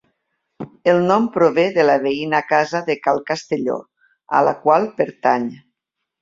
El nom prové de la veïna casa de Cal Castelló, a la qual pertany.